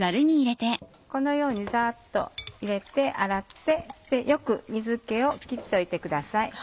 このようにざっと入れて洗ってよく水気を切っておいてください。